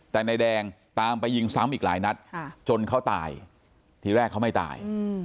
แต่นายแดงตามไปยิงซ้ำอีกหลายนัดจนเขาตายทีแรกเขาไม่ตาย